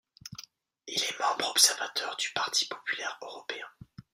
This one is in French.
Il est membre observateur du Parti populaire européen.